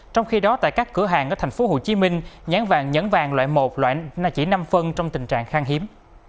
trong khi đó tại các cửa hàng ở tp hcm nhán vàng nhấn vàng loại một loại chỉ năm phân trong tình trạng khang hiếm